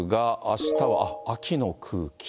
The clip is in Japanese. あしたは、あっ、秋の空気。